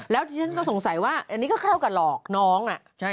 แล้วที่ฉันก็สงสัยว่าอันนี้ก็เท่ากับหลอกน้อง